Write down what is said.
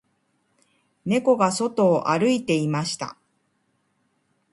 猫が外を歩いていました